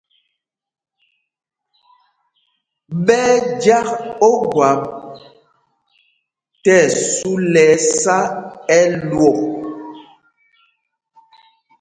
Ɓɛ́ ɛ́ jǎk ogwâp tí ɛsu lɛ ɛsá ɛlwok.